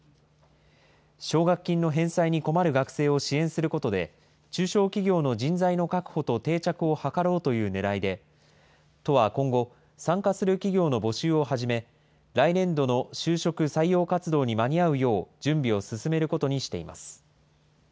奨学金の返済に困る学生を支援することで、中小企業の人材の確保と定着を図ろうというねらいで、都は今後、参加する企業の募集を始め、来年度の就職・採用活動に間に合うよう準備を進めることにしています。